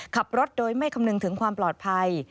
ขับรถโดยไม่คำนึงถึงความปลอดภัย